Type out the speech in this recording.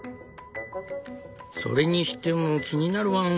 「それにしても気になるワン。